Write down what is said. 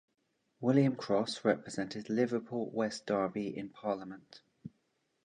William Cross, represented Liverpool West Derby in Parliament.